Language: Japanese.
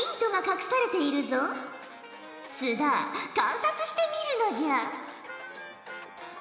須田観察してみるのじゃ。